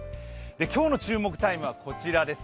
今日の注目タイムはこちらです。